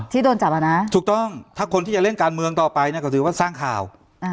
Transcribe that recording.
โดนจับอ่ะนะถูกต้องถ้าคนที่จะเล่นการเมืองต่อไปเนี่ยก็ถือว่าสร้างข่าว